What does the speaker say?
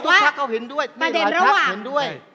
เพราะทุกภักดิ์เขาเห็นด้วย